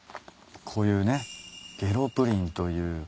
こういうね下呂プリンという。